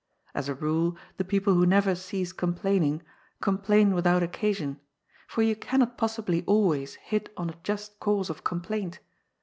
As a rule, the people who never cease complaining complain without occasion, for you cannot possibly always hit on a just cause of complaint.